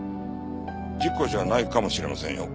事故じゃないかもしれませんよ。